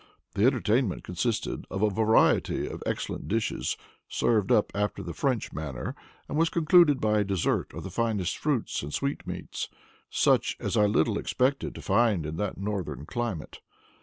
The entertainment consisted of a variety of excellent dishes, served up after the French manner, and was concluded by a dessert of the finest fruits and sweetmeats, such as I little expected to find in that northern climate.